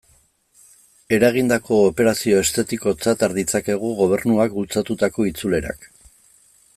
Eragindako operazio estetikotzat har ditzakegu Gobernuak bultzatutako itzulerak.